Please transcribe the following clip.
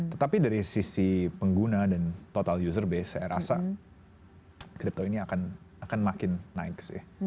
tetapi dari sisi pengguna dan total user base saya rasa crypto ini akan makin naik sih